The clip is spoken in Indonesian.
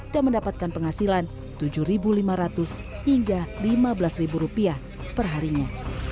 dan mendapatkan penghasilan rp tujuh lima ratus hingga rp lima belas perharinya